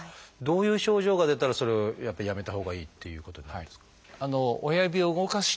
どういう症状が出たらそれをやっぱりやめたほうがいいっていうことになるんですか？